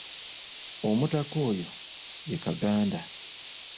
Omutaka oyo ye Kaganda.